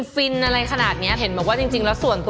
ฟินอะไรขนาดนั้นอ่ะ